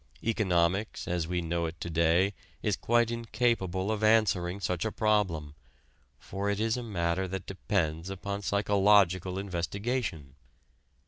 Economics, as we know it to day, is quite incapable of answering such a problem, for it is a matter that depends upon psychological investigation.